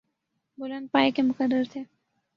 بلند پائے کے مقرر تھے۔